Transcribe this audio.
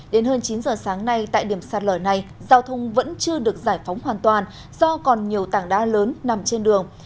đến hơn chín giờ sáng nay tại điểm sạt lở này giao thông vẫn chưa được giải phóng hoàn toàn do còn nhiều tảng đá lớn nằm trên đường